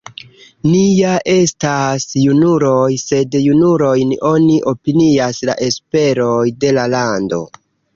Ni ja estas junuloj, sed junulojn oni opinias la esperoj de la lando!